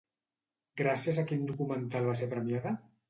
Gràcies a quin documental va ser premiada?